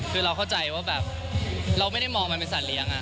คือเราเข้าใจว่าแบบเราไม่ได้มองมันเป็นสัตว์เลี้ยง